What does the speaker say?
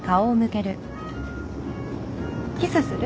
キスする？